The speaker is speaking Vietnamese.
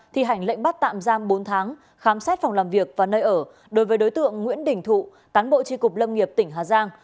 thi hành lệnh bắt tạm giam bốn tháng khám xét phòng làm việc và nơi ở đối với đối tượng nguyễn đình thụ cán bộ tri cục lâm nghiệp tỉnh hà giang